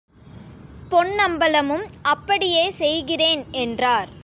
பொன்னம்பலமும், அப்படியே செய்கிறேன்! என்றார்.